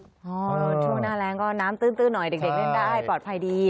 ช่วงหน้าแรงก็น้ำตื้นหน่อยเด็กเล่นได้ปลอดภัยดี